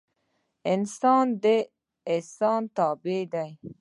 انسان د احسان تابع ده